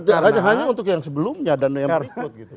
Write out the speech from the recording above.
bukan hanya untuk yang sebelumnya dan yang berikut